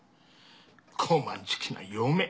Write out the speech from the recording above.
高慢ちきな嫁。